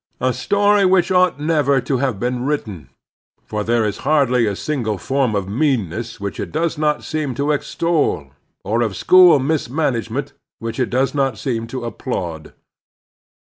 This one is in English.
a story which ought never to have been written, for there is hardly a single form of meanness which it does not seem to extol, or of school mismanagement which it does not seem to applaud.